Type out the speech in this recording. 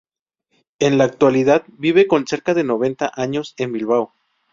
En la actualidad vive con cerca de noventa años en Bilbao.